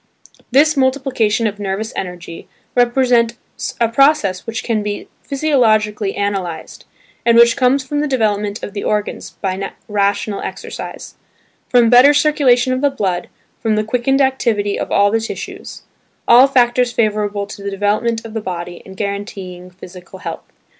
This "multiplication of nervous energy" represents a process which can be physiologically analysed, and which comes from the development of the organs by rational exercise, from better circulation of the blood, from the quickened activity of all the tissues–all factors favourable to the development of the body and guaranteeing physical health.